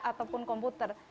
saya butuh komputer